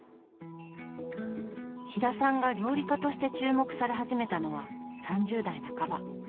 飛田さんが料理家として注目され始めたのは３０代半ば。